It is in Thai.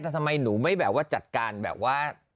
แต่ทำไมหนูไม่แบบว่าจัดการแบบว่า